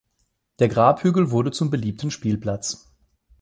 Der Grabhügel wurde zum beliebten Spielplatz.